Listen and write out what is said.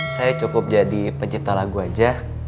saya cukup jadi pencipta lagu aja